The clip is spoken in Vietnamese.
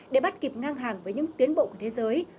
để bắt kịp ngang hàng với những tiến bộ của thế giới